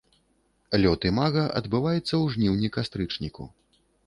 Лёт імага адбываецца ў жніўні-кастрычніку.